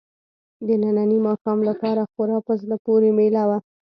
د ننني ماښام لپاره خورا په زړه پورې مېله وه.